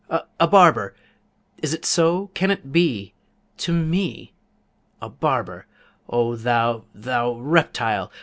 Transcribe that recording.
a barber! Is't so? can it be? To me? A barber! O thou, thou reptile!